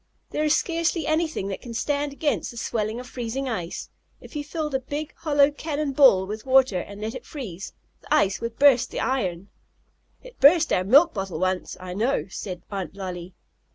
"There is scarcely anything that can stand against the swelling of freezing ice. If you filled a big, hollow cannon ball with water, and let it freeze, the ice would burst the iron." "It burst our milk bottle once, I know," said Aunt Lolly.